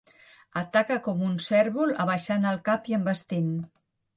Ataca com un cérvol, abaixant el cap i envestint.